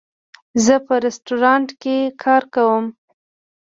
زه په رستورانټ کې کار کوم